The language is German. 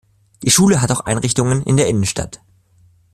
Die Schule hat auch Einrichtungen in der Innenstadt.